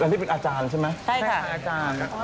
แล้วนี่เป็นอาจารย์ใช่ไหมใช่ค่ะอาจารย์